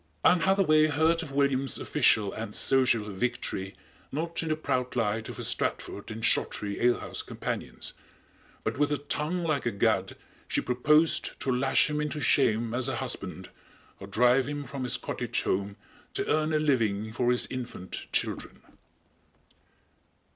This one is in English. Anne Hathaway heard of William's official and social victory, not in the proud light of his Stratford and Shottery alehouse companions, but with a tongue like a gad, she proposed to lash him into shame as a husband or drive him from his cottage home to earn a living for his infant children.